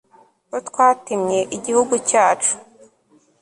ko twatemye igihugu cyacu